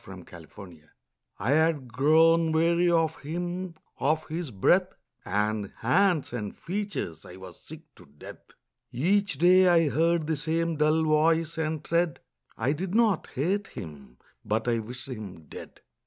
THOU SHALT NOT KILL I had grown weary of him; of his breath And hands and features I was sick to death. Each day I heard the same dull voice and tread; I did not hate him: but I wished him dead.